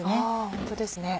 ホントですね。